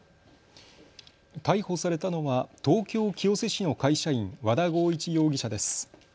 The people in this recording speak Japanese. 逮捕されたのは東京清瀬市の会社員、和田剛一容疑者です。